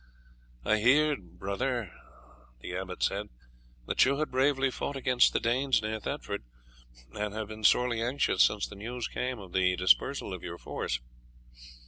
"I heard, brother," the abbot said, "that you had bravely fought against the Danes near Thetford, and have been sorely anxious since the news came of the dispersal of your force."